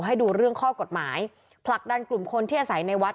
ให้ดูเรื่องข้อกฎหมายผลักดันกลุ่มคนที่อาศัยในวัด